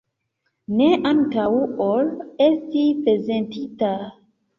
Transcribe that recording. Ne antaŭ ol esti prezentita.